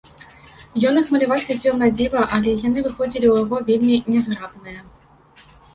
Ён іх маляваць хацеў надзіва, але яны выходзілі ў яго вельмі нязграбныя.